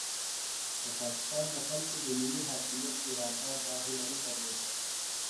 د پاکستان د خلکو د ملي حاکمیت اراده دا هیله نه درلوده.